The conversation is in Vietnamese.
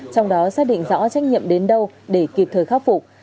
trong đó xác định rõ trách nhiệm đến đâu để kịp thời khắc phục